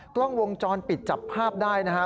กล้องวงจรปิดจับภาพได้นะฮะ